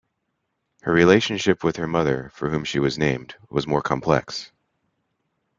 Her relationship with her mother, for whom she was named, was more complex.